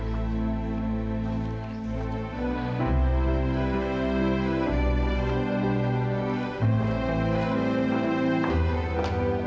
tidak bisa diusahakan pak